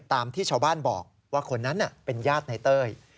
ตามที่ชาวบ้านบอกว่าคนนั้นเป็นญาติในเต้ย